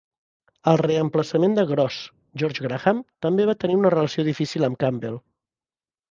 El reemplaçament de Gross, George Graham, també va tenir una relació difícil amb Campbell.